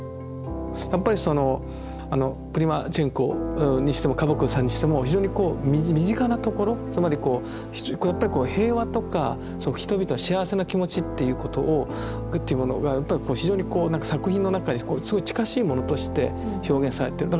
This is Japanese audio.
やっぱりあのプリマチェンコにしてもカバコフさんにしても非常にこう身近なところつまりこうやっぱり平和とか人々の幸せな気持ちっていうものが非常にこう作品の中にすごい近しいものとして表現されてる。